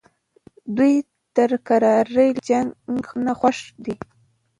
دوی تر کرارۍ له جنګ نه خوښ دي.